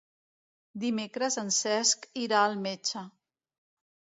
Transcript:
Dimecres en Cesc irà al metge.